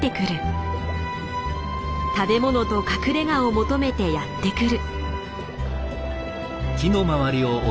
食べものと隠れがを求めてやって来る。